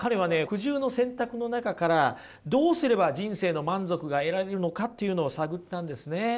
苦渋の選択の中からどうすれば人生の満足が得られるのかっていうのを探ったんですね。